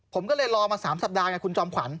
ผมก็เลยรอมา๓สัปดาห์ไงคุณจอมขวัญ